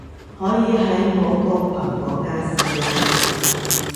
可以喺我個群講亞視啊